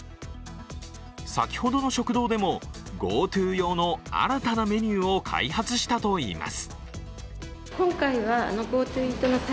先ほどの食堂でも、ＧｏＴｏ用の新たなメニューを開発したといいます。